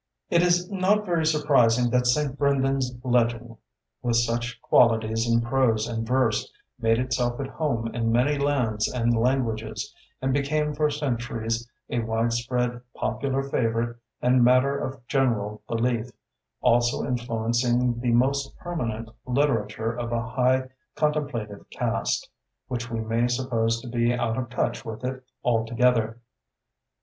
It is not very surprising that St. Brendan's legend, with such qualities in prose and verse, made itself at home in many lands and languages, and became for centuries a widespread popular favorite and matter of general belief, also influencing the most permanent literature of a high contemplative cast, which we might suppose to be out of touch with it altogether.